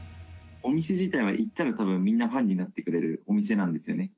お店自体は行ったらたぶんみんなファンになってくれるお店なんですよね。